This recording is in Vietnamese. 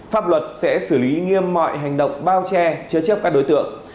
pháp luật sẽ xử lý nghiêm mọi hành động bao che chứa chấp các đối tượng